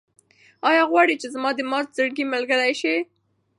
ایا غواړې چې زما د مات زړه ملګرې شې؟